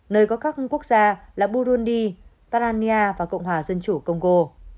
nơi có các quốc gia là burundi tanzania và cộng hòa dân chủ công gô